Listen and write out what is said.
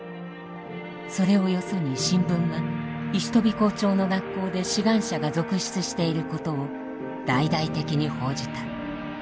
それをよそに新聞は石飛校長の学校で志願者が続出していることを大々的に報じた。